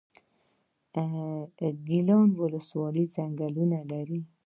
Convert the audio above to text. ګیان ولسوالۍ ځنګلونه لري؟